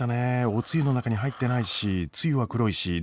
おつゆの中に入ってないしつゆは黒いしでもおいしいし。